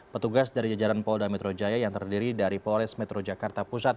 petugas dari jajaran polda metro jaya yang terdiri dari polres metro jakarta pusat